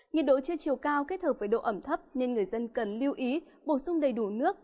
nhiệt độ chưa chiều cao kết hợp với độ ẩm thấp nên người dân cần lưu ý bổ sung đầy đủ nước